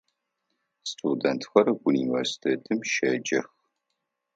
Студентхэр университетым щеджэх.